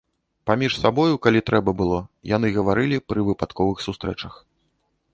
Паміж сабою, калі трэба было, яны гаварылі пры выпадковых сустрэчах.